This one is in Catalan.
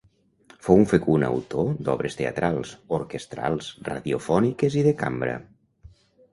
Fou un fecund autor d'obres teatrals, orquestrals, radiofòniques i de cambra.